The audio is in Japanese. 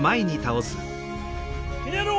ひねろう。